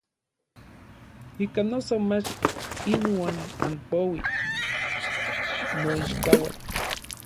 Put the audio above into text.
Ikan noso mach inuan anpouij n noichkauan.